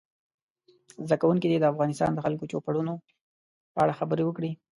زده کوونکي دې د افغانستان د خلکو د چوپړونو په اړه خبرې وکړي.